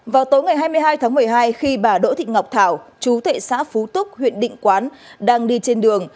vào tối ngày hai mươi hai tháng một mươi hai khi bà đỗ thị ngọc thảo chú thệ xã phú túc huyện định quán đang đi trên đường